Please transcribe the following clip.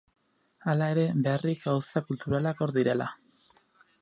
Hala ere, beharrik gauza kulturalak hor direla.